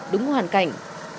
đúng hoàn cảnh